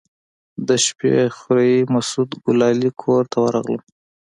د شپې خوريي مسعود ګلالي کور ته ورغلم.